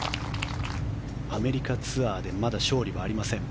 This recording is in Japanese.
アメリカツアーでまだ勝利はありません。